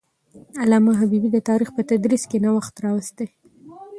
علامه حبيبي د تاریخ په تدریس کې نوښت راوستی دی.